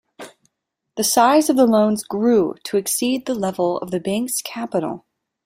The size of the loans grew to exceed the level of the bank's capital.